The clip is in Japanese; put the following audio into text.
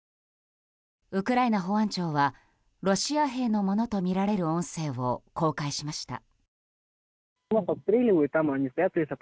ウクライナ保安庁はロシア兵のものとみられる音声を公開しました。